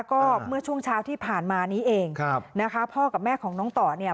ก็เมื่อช่วงเช้าที่ผ่านมานี้เองครับนะคะพ่อกับแม่ของน้องต่อเนี่ย